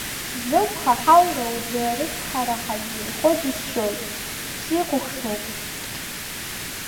Зылԥха ҳаура убри арыцҳара ҳазирхо џьысшьоит, сикәыхшоуп.